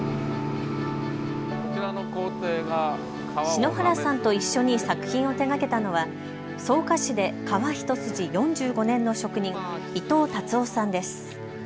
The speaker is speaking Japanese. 篠原さんと一緒に作品を手がけたのは草加市で革一筋４５年の職人、伊藤達雄さんです。